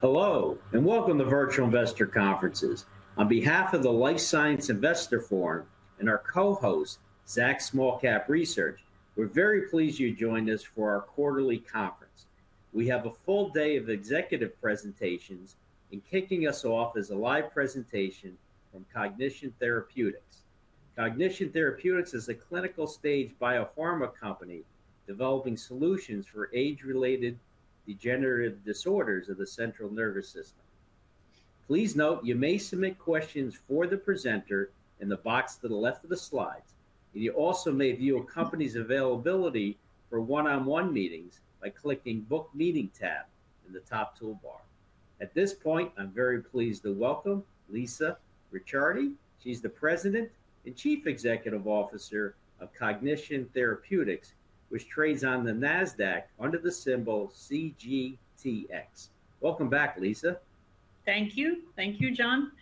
Hello, and welcome to Virtual Investor Conferences. On behalf of the Life Science Investor Forum and our co-host, Zach Small-Cap Research, we're very pleased you joined us for our quarterly conference. We have a full day of executive presentations, and kicking us off is a live presentation from Cognition Therapeutics. Cognition Therapeutics is a clinical stage biopharma company developing solutions for age-related degenerative disorders of the central nervous system. Please note you may submit questions for the presenter in the box to the left of the slides. You also may view a company's availability for one-on-one meetings by clicking the Book Meeting tab in the top toolbar. At this point, I'm very pleased to welcome Lisa Ricciardi. She's the President and Chief Executive Officer of Cognition Therapeutics, which trades on the NASDAQ under the symbol CGTX. Welcome back, Lisa. Thank you. Thank you, John.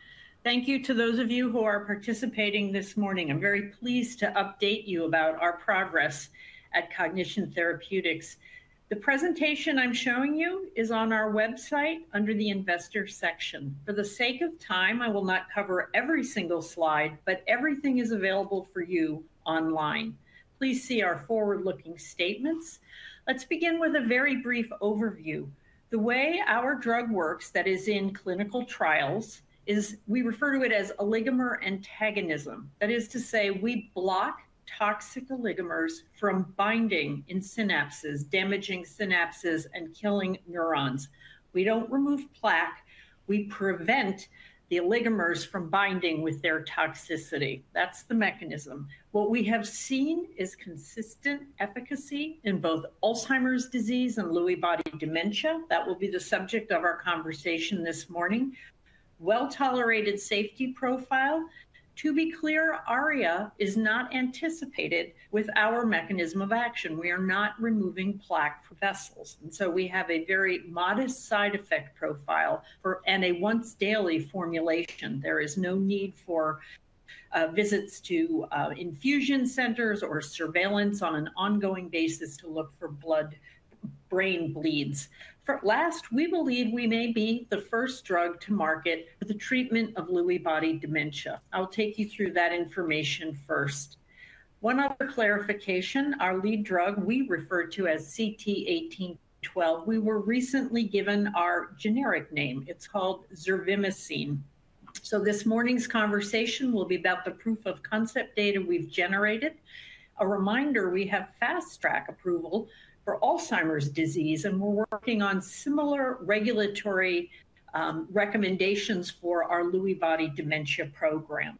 Thank you to those of you who are participating this morning. I'm very pleased to update you about our progress at Cognition Therapeutics. The presentation I'm showing you is on our website under the Investor section. For the sake of time, I will not cover every single slide, but everything is available for you online. Please see our forward-looking statements. Let's begin with a very brief overview. The way our drug works that is in clinical trials is we refer to it as oligomer antagonism. That is to say, we block toxic oligomers from binding in synapses, damaging synapses, and killing neurons. We don't remove plaque. We prevent the oligomers from binding with their toxicity. That's the mechanism. What we have seen is consistent efficacy in both Alzheimer's disease and Lewy body dementia. That will be the subject of our conversation this morning. Tolerated safety profile. To be clear, ARIA is not anticipated with our mechanism of action. We are not removing plaque vessels. We have a very modest side effect profile for a once-daily formulation. There is no need for visits to infusion centers or surveillance on an ongoing basis to look for blood brain bleeds. Last, we believe we may be the first drug to market the treatment of Lewy body dementia. I'll take you through that information first. One other clarification. Our lead drug, we refer to as CT1812, we were recently given our generic name. It's called zervimesine. This morning's conversation will be about the proof of concept data we've generated. A reminder, we have fast-track approval for Alzheimer's disease, and we're working on similar regulatory recommendations for our Lewy body dementia program.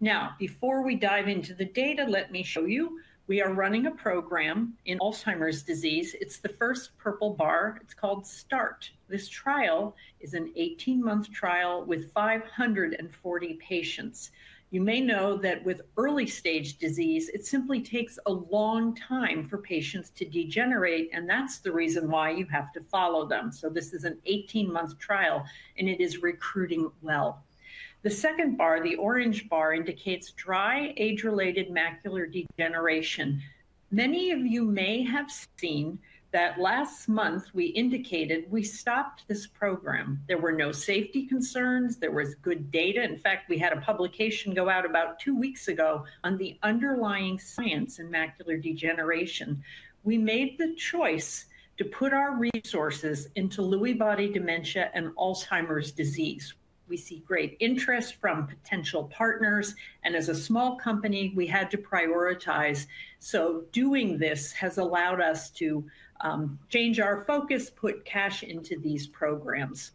Now, before we dive into the data, let me show you. We are running a program in Alzheimer's disease. It's the first purple bar. It's called START. This trial is an 18-month trial with 540 patients. You may know that with early-stage disease, it simply takes a long time for patients to degenerate, and that's the reason why you have to follow them. This is an 18-month trial, and it is recruiting well. The second bar, the orange bar, indicates dry age-related macular degeneration. Many of you may have seen that last month we indicated we stopped this program. There were no safety concerns. There was good data. In fact, we had a publication go out about two weeks ago on the underlying science in macular degeneration. We made the choice to put our resources into Lewy body dementia and Alzheimer's disease. We see great interest from potential partners, and as a small company, we had to prioritize. Doing this has allowed us to change our focus, put cash into these programs.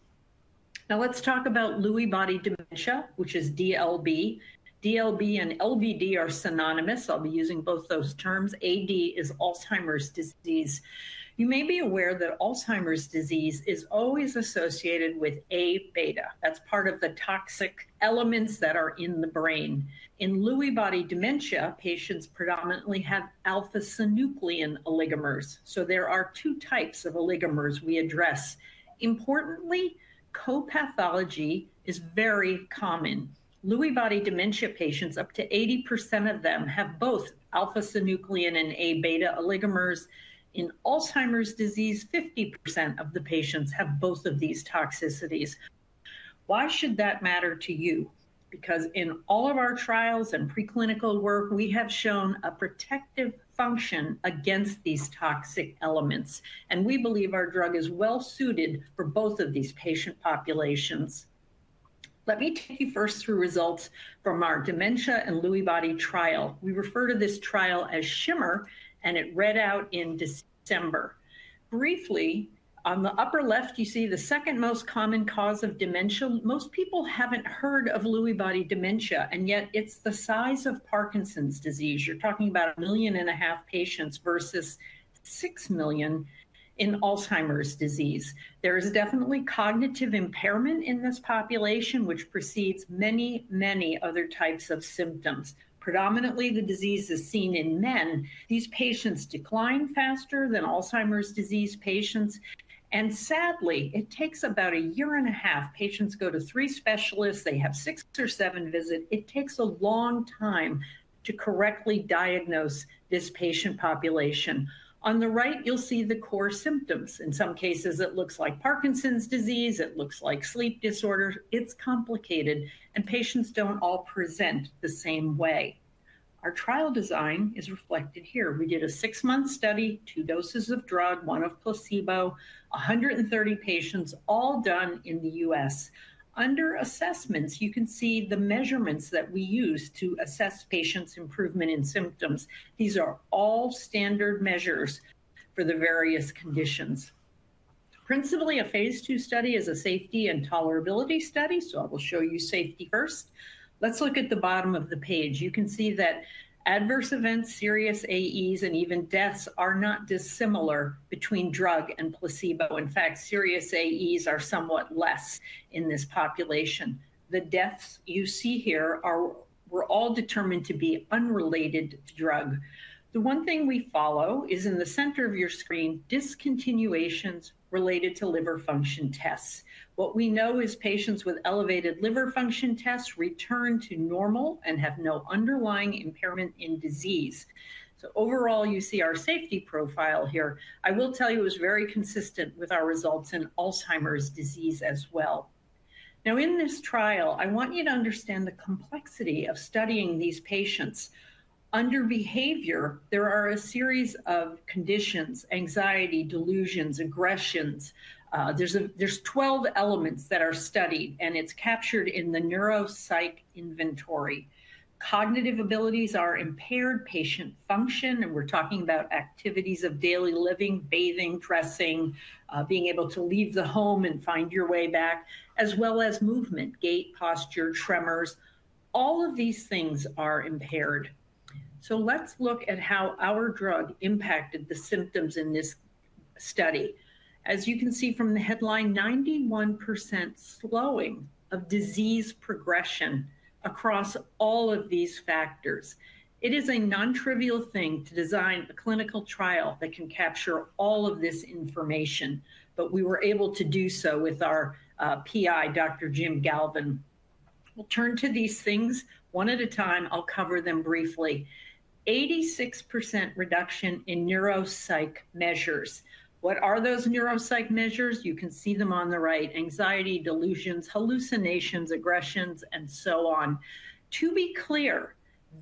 Now, let's talk about Lewy body dementia, which is DLB. DLB and LBD are synonymous. I'll be using both those terms. AD is Alzheimer's disease. You may be aware that Alzheimer's disease is always associated with Aβ. That's part of the toxic elements that are in the brain. In Lewy body dementia, patients predominantly have alpha-synuclein oligomers. There are two types of oligomers we address. Importantly, copathology is very common. Lewy body dementia patients, up to 80% of them, have both alpha-synuclein and Aβ oligomers. In Alzheimer's disease, 50% of the patients have both of these toxicities. Why should that matter to you? Because in all of our trials and preclinical work, we have shown a protective function against these toxic elements. We believe our drug is well-suited for both of these patient populations. Let me take you first through results from our dementia and Lewy body trial. We refer to this trial as SHIMMER, and it read out in December. Briefly, on the upper left, you see the second most common cause of dementia. Most people haven't heard of Lewy body dementia, and yet it's the size of Parkinson's disease. You're talking about a million and a half patients versus 6 million in Alzheimer's disease. There is definitely cognitive impairment in this population, which precedes many, many other types of symptoms. Predominantly, the disease is seen in men. These patients decline faster than Alzheimer's disease patients. Sadly, it takes about a year and a half. Patients go to three specialists. They have six or seven visits. It takes a long time to correctly diagnose this patient population. On the right, you'll see the core symptoms. In some cases, it looks like Parkinson's disease. It looks like sleep disorders. It's complicated, and patients don't all present the same way. Our trial design is reflected here. We did a six-month study, two doses of drug, one of placebo, 130 patients, all done in the U.S. Under assessments, you can see the measurements that we use to assess patients' improvement in symptoms. These are all standard measures for the various conditions. Principally, a Phase II study is a safety and tolerability study. I will show you safety first. Let's look at the bottom of the page. You can see that adverse events, serious AEs, and even deaths are not dissimilar between drug and placebo. In fact, serious AEs are somewhat less in this population. The deaths you see here were all determined to be unrelated to drug. The one thing we follow is in the center of your screen, discontinuations related to liver function tests. What we know is patients with elevated liver function tests return to normal and have no underlying impairment in disease. So overall, you see our safety profile here. I will tell you it was very consistent with our results in Alzheimer's disease as well. Now, in this trial, I want you to understand the complexity of studying these patients. Under behavior, there are a series of conditions: anxiety, delusions, aggressions. There are 12 elements that are studied, and it's captured in the neuropsych inventory. Cognitive abilities are impaired patient function, and we're talking about activities of daily living, bathing, dressing, being able to leave the home and find your way back, as well as movement, gait, posture, tremors. All of these things are impaired. Let's look at how our drug impacted the symptoms in this study. As you can see from the headline, 91% slowing of disease progression across all of these factors. It is a non-trivial thing to design a clinical trial that can capture all of this information, but we were able to do so with our PI, Dr. Jim Galvin. We'll turn to these things one at a time. I'll cover them briefly. 86% reduction in neuropsych measures. What are those neuropsych measures? You can see them on the right: anxiety, delusions, hallucinations, aggressions, and so on. To be clear,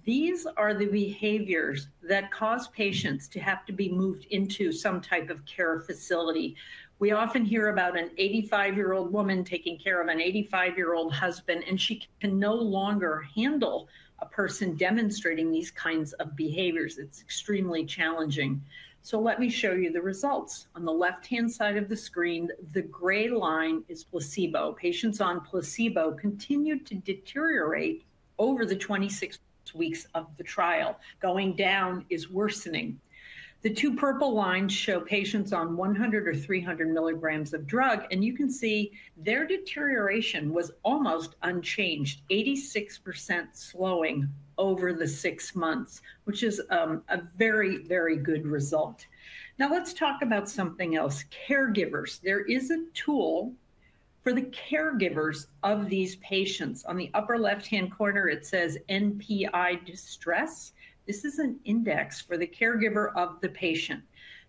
these are the behaviors that cause patients to have to be moved into some type of care facility. We often hear about an 85-year-old woman taking care of an 85-year-old husband, and she can no longer handle a person demonstrating these kinds of behaviors. It's extremely challenging. Let me show you the results. On the left-hand side of the screen, the gray line is placebo. Patients on placebo continued to deteriorate over the 26 weeks of the trial. Going down is worsening. The two purple lines show patients on 100 or 300 milligrams of drug, and you can see their deterioration was almost unchanged, 86% slowing over the six months, which is a very, very good result. Now, let's talk about something else: caregivers. There is a tool for the caregivers of these patients. On the upper left-hand corner, it says NPI Distress. This is an index for the caregiver of the patient.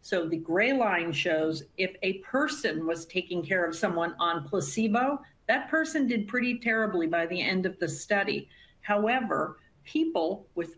The gray line shows if a person was taking care of someone on placebo, that person did pretty terribly by the end of the study. However, people with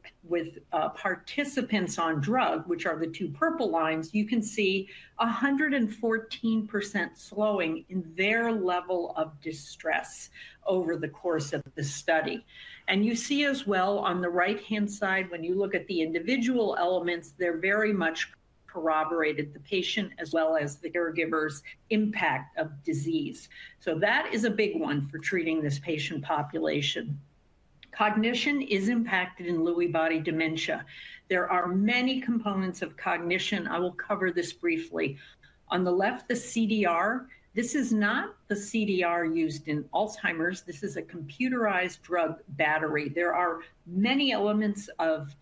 participants on drug, which are the two purple lines, you can see 114% slowing in their level of distress over the course of the study. You see as well on the right-hand side, when you look at the individual elements, they're very much corroborated, the patient as well as the caregiver's impact of disease. That is a big one for treating this patient population. Cognition is impacted in Lewy body dementia. There are many components of cognition. I will cover this briefly. On the left, the CDR. This is not the CDR used in Alzheimer's. This is a computerized drug battery. There are many elements of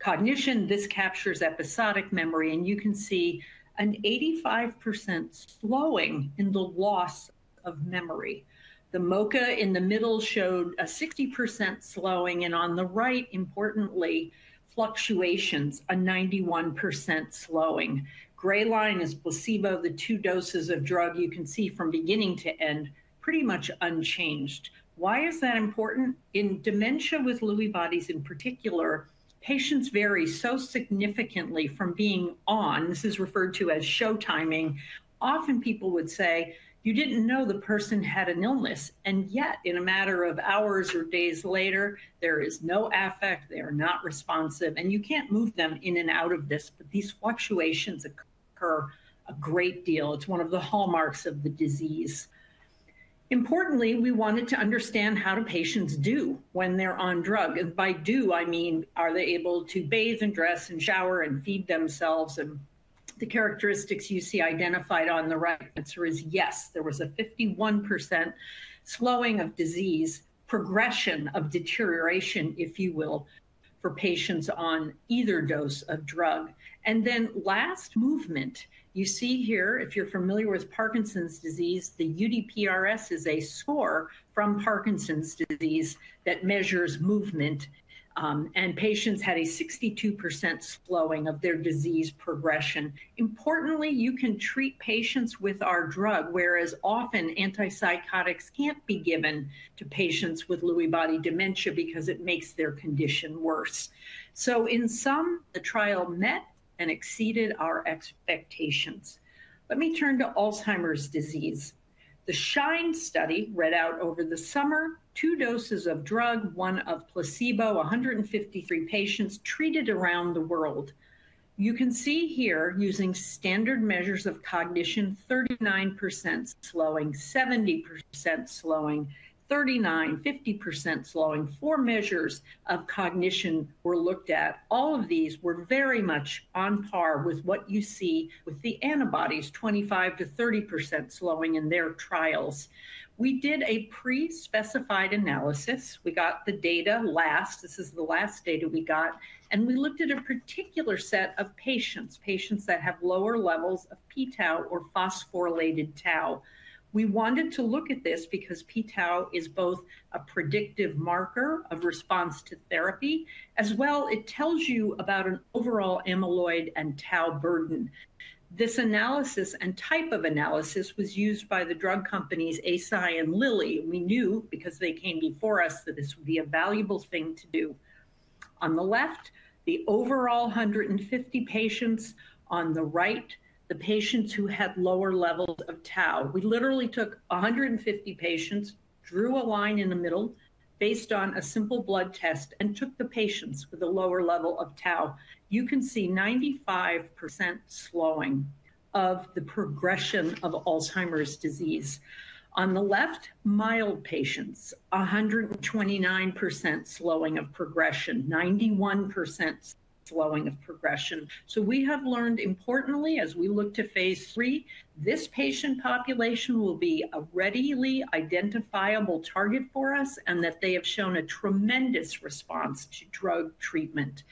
cognition. This captures episodic memory, and you can see an 85% slowing in the loss of memory. The MoCA in the middle showed a 60% slowing, and on the right, importantly, fluctuations, a 91% slowing. Gray line is placebo. The two doses of drug you can see from beginning to end, pretty much unchanged. Why is that important? In dementia with Lewy bodies in particular, patients vary so significantly from being on. This is referred to as showtiming. Often, people would say, "You didn't know the person had an illness," and yet, in a matter of hours or days later, there is no affect. They are not responsive, and you can't move them in and out of this. These fluctuations occur a great deal. It's one of the hallmarks of the disease. Importantly, we wanted to understand how do patients do when they're on drug. By do, I mean, are they able to bathe and dress and shower and feed themselves? The characteristics you see identified on the right answer is yes. There was a 51% slowing of disease, progression of deterioration, if you will, for patients on either dose of drug. Last, movement, you see here, if you're familiar with Parkinson's disease, the UPDRS is a score from Parkinson's disease that measures movement, and patients had a 62% slowing of their disease progression. Importantly, you can treat patients with our drug, whereas often antipsychotics can't be given to patients with Lewy body dementia because it makes their condition worse. In sum, the trial met and exceeded our expectations. Let me turn to Alzheimer's disease. The SHINE study read out over the summer, two doses of drug, one of placebo, 153 patients treated around the world. You can see here, using standard measures of cognition, 39% slowing, 70% slowing, 39, 50% slowing. Four measures of cognition were looked at. All of these were very much on par with what you see with the antibodies, 25-30% slowing in their trials. We did a pre-specified analysis. We got the data last. This is the last data we got. And we looked at a particular set of patients, patients that have lower levels of p-tau or phosphorylated tau. We wanted to look at this because p-tau is both a predictive marker of response to therapy, as well as it tells you about an overall amyloid and tau burden. This analysis and type of analysis was used by the drug companies AC Immune and Lilly. We knew, because they came before us, that this would be a valuable thing to do. On the left, the overall 150 patients. On the right, the patients who had lower levels of tau. We literally took 150 patients, drew a line in the middle based on a simple blood test, and took the patients with a lower level of tau. You can see 95% slowing of the progression of Alzheimer's disease. On the left, mild patients, 129% slowing of progression, 91% slowing of progression. We have learned, importantly, as we look to Phase III, this patient population will be a readily identifiable target for us and that they have shown a tremendous response to drug treatment.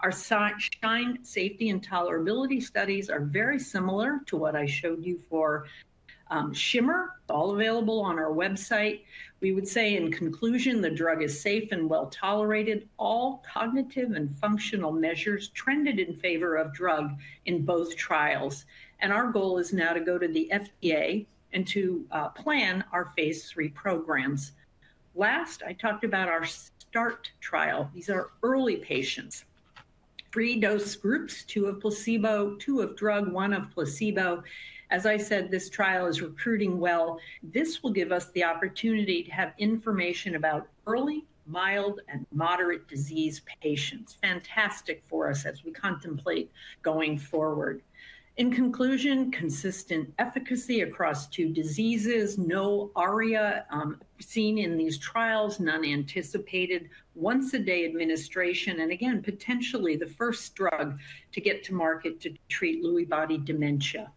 Our SHINE safety and tolerability studies are very similar to what I showed you for SHIMR. It is all available on our website. We would say, in conclusion, the drug is safe and well tolerated. All cognitive and functional measures trended in favor of drug in both trials. Our goal is now to go to the FDA and to plan our Phase III programs. Last, I talked about our START trial. These are early patients, three dose groups, two of placebo, two of drug, one of placebo. As I said, this trial is recruiting well. This will give us the opportunity to have information about early, mild, and moderate disease patients. Fantastic for us as we contemplate going forward. In conclusion, consistent efficacy across two diseases, no ARIA seen in these trials, none anticipated, once-a-day administration, and again, potentially the first drug to get to market to treat Lewy body dementia.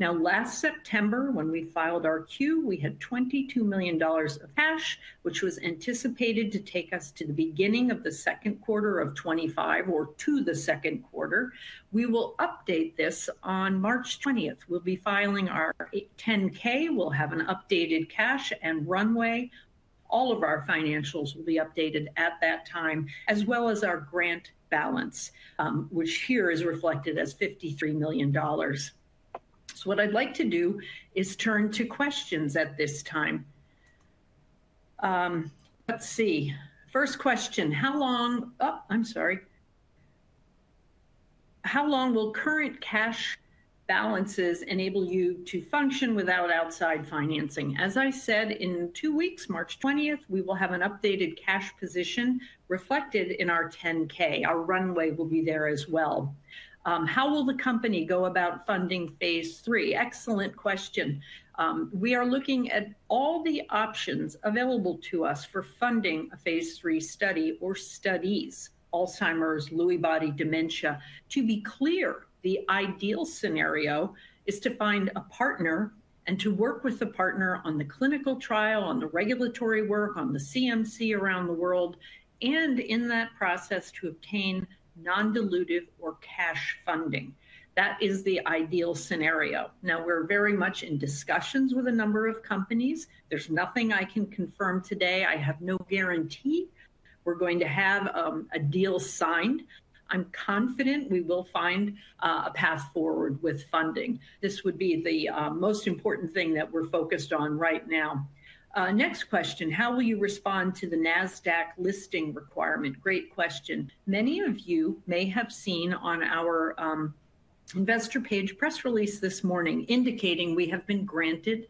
Now, last September, when we filed our Q, we had $22 million of cash, which was anticipated to take us to the beginning of the second quarter of 2025 or to the second quarter. We will update this on March 20th. We'll be filing our 10-K. We'll have an updated cash and runway. All of our financials will be updated at that time, as well as our grant balance, which here is reflected as $53 million. What I'd like to do is turn to questions at this time. Let's see. First question, how long, oh, I'm sorry. How long will current cash balances enable you to function without outside financing? As I said, in two weeks, March 20th, we will have an updated cash position reflected in our 10-K. Our runway will be there as well. How will the company go about funding Phase III? Excellent question. We are looking at all the options available to us for funding a Phase III study or studies, Alzheimer's, Lewy body dementia. To be clear, the ideal scenario is to find a partner and to work with a partner on the clinical trial, on the regulatory work, on the CMC around the world, and in that process, to obtain non-dilutive or cash funding. That is the ideal scenario. Now, we're very much in discussions with a number of companies. There's nothing I can confirm today. I have no guarantee. We're going to have a deal signed. I'm confident we will find a path forward with funding. This would be the most important thing that we're focused on right now. Next question, how will you respond to the NASDAQ listing requirement? Great question. Many of you may have seen on our investor page press release this morning indicating we have been granted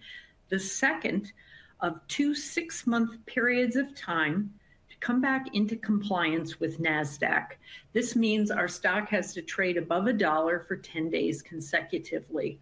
the second of two six-month periods of time to come back into compliance with NASDAQ. This means our stock has to trade above a dollar for 10 days consecutively.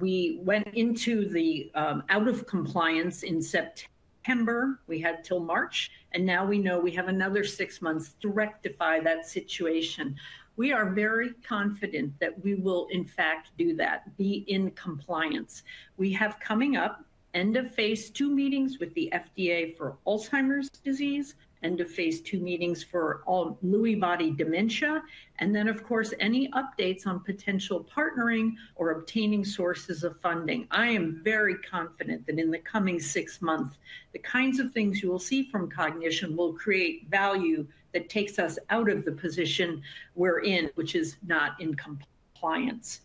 We went into the out-of-compliance in September. We had till March, and now we know we have another six months to rectify that situation. We are very confident that we will, in fact, do that, be in compliance. We have coming up end of Phase II meetings with the FDA for Alzheimer's disease, end of Phase II meetings for all Lewy body dementia, and then, of course, any updates on potential partnering or obtaining sources of funding. I am very confident that in the coming six months, the kinds of things you will see from Cognition will create value that takes us out of the position we're in, which is not in compliance.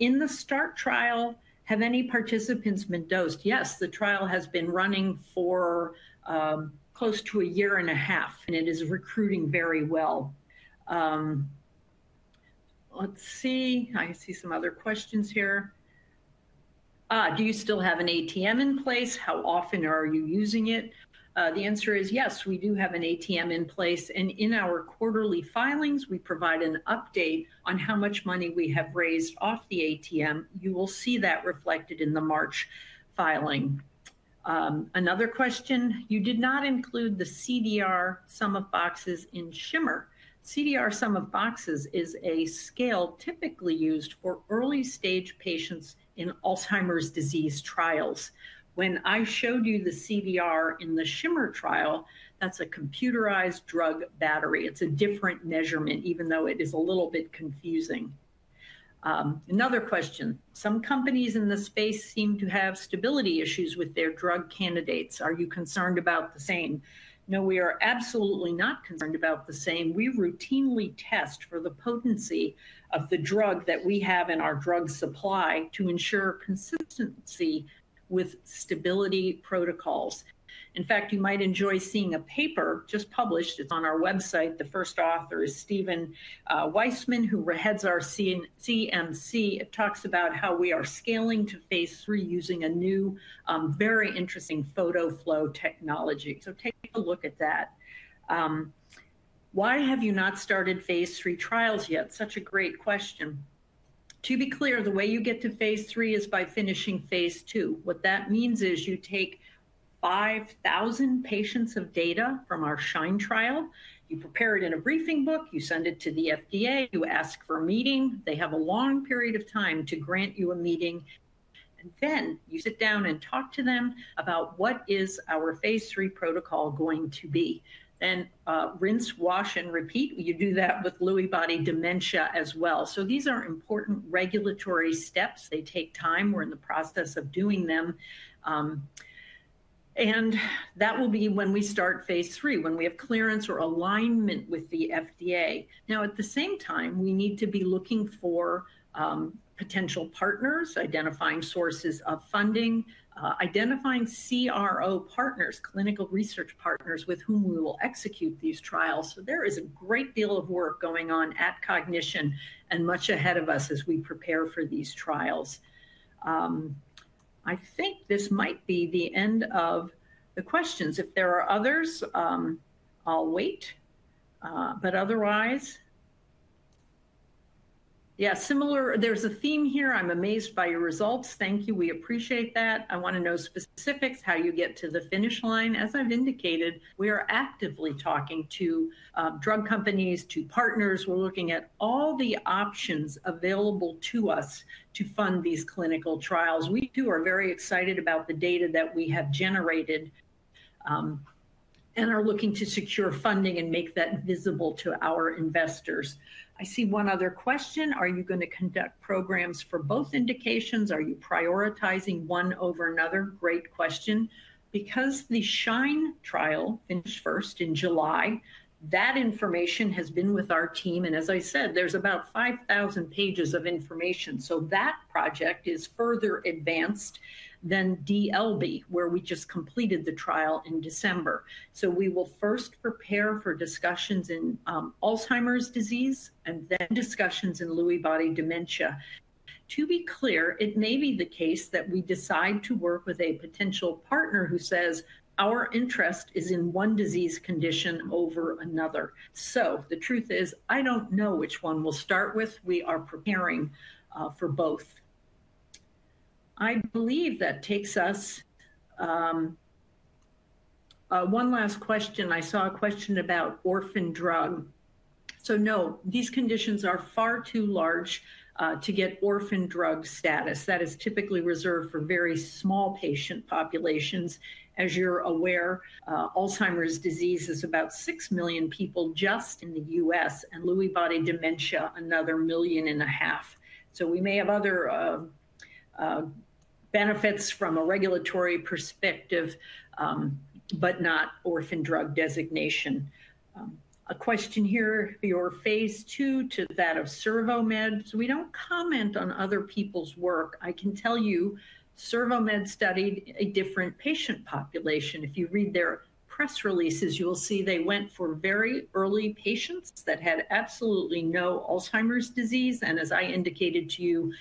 In the START trial, have any participants been dosed? Yes, the trial has been running for close to a year and a half, and it is recruiting very well. Let's see. I see some other questions here. Do you still have an ATM in place? How often are you using it? The answer is yes, we do have an ATM in place. In our quarterly filings, we provide an update on how much money we have raised off the ATM. You will see that reflected in the March filing. Another question, you did not include the CDR sum of boxes in SHIMMER. CDR sum of boxes is a scale typically used for early-stage patients in Alzheimer's disease trials. When I showed you the CDR in the SHIMMER trial, that's a computerized drug battery. It's a different measurement, even though it is a little bit confusing. Another question, some companies in the space seem to have stability issues with their drug candidates. Are you concerned about the same? No, we are absolutely not concerned about the same. We routinely test for the potency of the drug that we have in our drug supply to ensure consistency with stability protocols. In fact, you might enjoy seeing a paper just published. It is on our website. The first author is Steven Weissman, who heads our CMC. It talks about how we are scaling to Phase III using a new, very interesting photo flow technology. Take a look at that. Why have you not started Phase III trials yet? Such a great question. To be clear, the way you get to Phase III is by finishing Phase I. What that means is you take 5,000 patients of data from our SHINE trial. You prepare it in a briefing book. You send it to the FDA. You ask for a meeting. They have a long period of time to grant you a meeting. You sit down and talk to them about what is our Phase III protocol going to be. Rinse, wash, and repeat. You do that with Lewy body dementia as well. These are important regulatory steps. They take time. We're in the process of doing them. That will be when we start Phase II, when we have clearance or alignment with the FDA. At the same time, we need to be looking for potential partners, identifying sources of funding, identifying CRO partners, clinical research partners with whom we will execute these trials. There is a great deal of work going on at Cognition and much ahead of us as we prepare for these trials. I think this might be the end of the questions. If there are others, I'll wait. Otherwise, yeah, similar, there's a theme here. I'm amazed by your results. Thank you. We appreciate that. I want to know specifics, how you get to the finish line. As I've indicated, we are actively talking to drug companies, to partners. We're looking at all the options available to us to fund these clinical trials. We too are very excited about the data that we have generated and are looking to secure funding and make that visible to our investors. I see one other question. Are you going to conduct programs for both indications? Are you prioritizing one over another? Great question. Because the SHINE trial finished first in July, that information has been with our team. As I said, there's about 5,000 pages of information. That project is further advanced than DLB, where we just completed the trial in December. We will first prepare for discussions in Alzheimer's disease and then discussions in Lewy body dementia. To be clear, it may be the case that we decide to work with a potential partner who says our interest is in one disease condition over another. The truth is, I don't know which one we'll start with. We are preparing for both. I believe that takes us to one last question. I saw a question about orphan drug. No, these conditions are far too large to get orphan drug status. That is typically reserved for very small patient populations. As you're aware, Alzheimer's disease is about 6 million people just in the U.S., and Lewy body dementia, another 1.5 million. We may have other benefits from a regulatory perspective, but not orphan drug designation. A question here, your Phase II to that of CervoMed. We do not comment on other people's work. I can tell you CervoMed studied a different patient population. If you read their press releases, you will see they went for very early patients that had absolutely no Alzheimer's disease. As I indicated to you,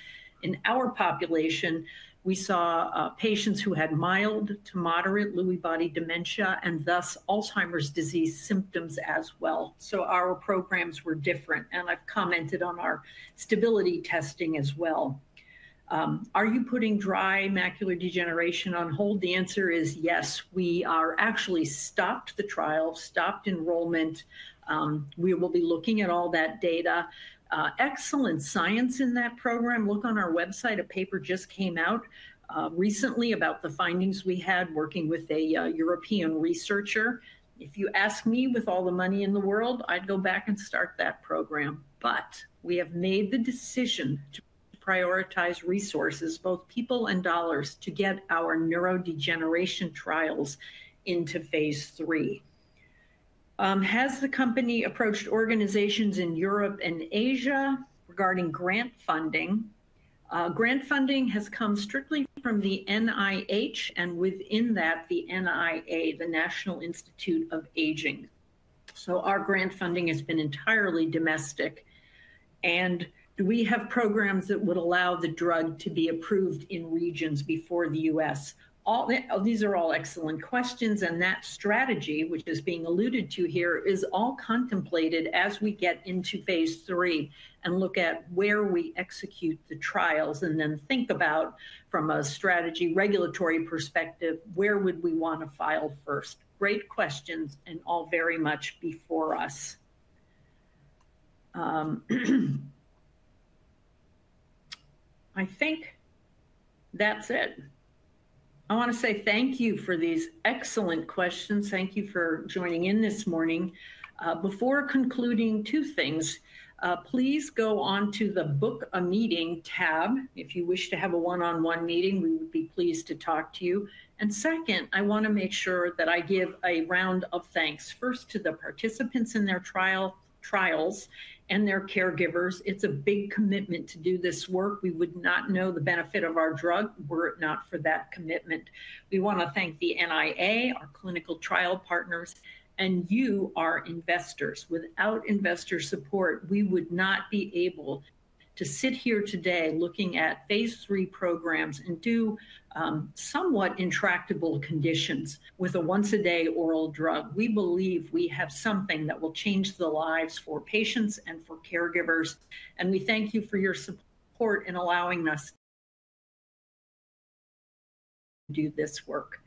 in our population, we saw patients who had mild to moderate Lewy body dementia and thus Alzheimer's disease symptoms as well. Our programs were different. I have commented on our stability testing as well. Are you putting dry macular degeneration on hold? The answer is yes. We actually stopped the trial, stopped enrollment. We will be looking at all that data. Excellent science in that program. Look on our website. A paper just came out recently about the findings we had working with a European researcher. If you ask me, with all the money in the world, I'd go back and start that program. We have made the decision to prioritize resources, both people and dollars, to get our neurodegeneration trials into Phase III. Has the company approached organizations in Europe and Asia regarding grant funding? Grant funding has come strictly from the NIH and within that, the NIA, the National Institute on Aging. Our grant funding has been entirely domestic. Do we have programs that would allow the drug to be approved in regions before the U.S.? These are all excellent questions. That strategy, which is being alluded to here, is all contemplated as we get into Phase III and look at where we execute the trials and then think about, from a strategy regulatory perspective, where would we want to file first? Great questions and all very much before us. I think that's it. I want to say thank you for these excellent questions. Thank you for joining in this morning. Before concluding, two things. Please go on to the Book a Meeting tab. If you wish to have a one-on-one meeting, we would be pleased to talk to you. Second, I want to make sure that I give a round of thanks, first to the participants in their trials and their caregivers. It's a big commitment to do this work. We would not know the benefit of our drug were it not for that commitment. We want to thank the NIA, our clinical trial partners, and you, our investors. Without investor support, we would not be able to sit here today looking at Phase III programs and do somewhat intractable conditions with a once-a-day oral drug. We believe we have something that will change the lives for patients and for caregivers. We thank you for your support in allowing us to do this work.